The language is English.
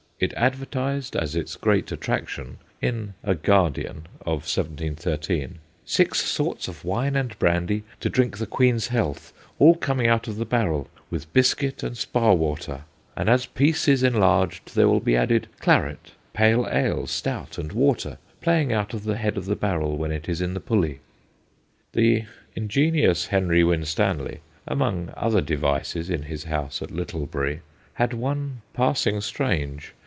It advertised as its great attraction in a Guardian of 1713 '6 sorts of wine and brandy, to drink the Queen's health, all coming out of the barrel,, with bisket and spaw water ; and, as peace is inlarged, there will be added Claret, Pale Ale, Stout and Water playing out of the head of the barrel when it is in the pulley/ The ingenious Henry Winstanley, among other devices in his house at Littlebury , had one passing strange.